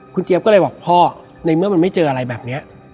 คุณเจี๊ยบก็เลยบอกพ่อในเมื่อมันไม่เจออะไรแบบนี้